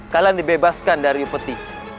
kalian dibebaskan dari peti